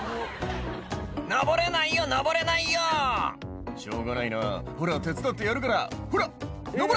「上れないよ上れないよ！」「しょうがないなほら手伝ってやるからほら上れ！」